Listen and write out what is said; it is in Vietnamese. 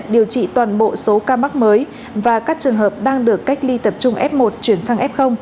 bệnh viện giã chiến số một là loại hình cơ sở tiếp nhận điều trị toàn bộ số ca mắc mới và các trường hợp đang được cách ly tập trung f một chuyển sang f